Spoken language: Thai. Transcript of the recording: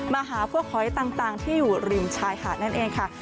มาหาพวกหอยต่างที่อยู่ริมชายหาดนั่นเองค่ะ